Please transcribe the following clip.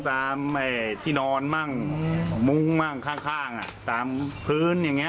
ตามไอ้ที่นอนมั่งมุ่งมั่งข้างข้างอ่ะตามพื้นอย่างเงี้ย